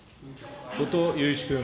後藤祐一君。